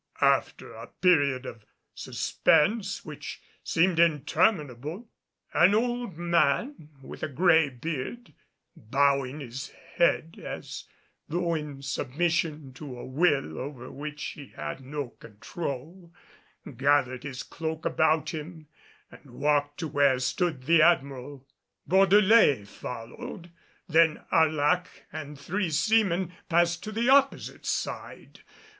After a period of suspense which seemed interminable an old man with a gray beard, bowing his head as though in submission to a will over which he had no control, gathered his cloak about him and walked to where stood the Admiral. Bordelais followed. Then Arlac and three seamen passed to the opposite side.